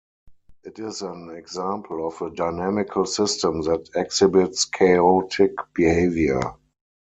It is an example of a dynamical system that exhibits chaotic behavior.